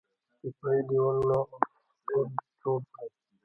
دفاعي دېوالونه او سپر جوړ کړي.